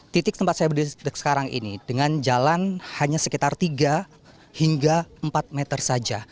titik tempat saya berdiri sekarang ini dengan jalan hanya sekitar tiga hingga empat meter saja